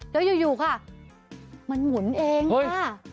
แล้วอยู่ค่ะมันหมุนเองค่ะ